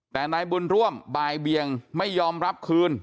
แต่นายบุญร่วมบ่ายเบียงไม่ยอมรับคืน